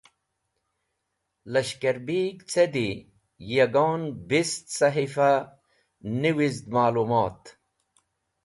Lashkarbek ce di, yagon bist sahifa niwizd ma’lumot.